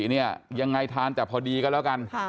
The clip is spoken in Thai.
กินต่อได้ใช่มั้ยฮะ